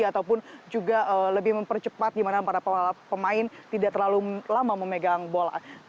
ataupun juga lebih mempercepat di mana para pemain tidak terlalu lama memegang bola